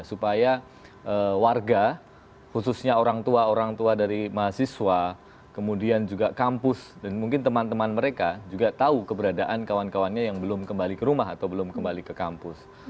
supaya warga khususnya orang tua orang tua dari mahasiswa kemudian juga kampus dan mungkin teman teman mereka juga tahu keberadaan kawan kawannya yang belum kembali ke rumah atau belum kembali ke kampus